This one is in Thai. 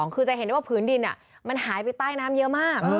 คือจะเห็นได้ว่าผืนดินมันหายไปใต้น้ำเยอะมาก